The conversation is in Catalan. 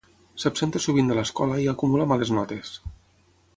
S'absenta sovint de l'escola i acumula males notes.